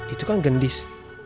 itu kan gendis